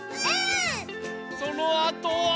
そのあとは。